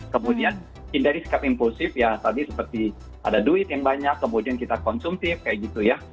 kemudian hindari sikap impulsif ya tadi seperti ada duit yang banyak kemudian kita konsumtif kayak gitu ya